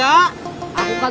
aku kan tukang ojek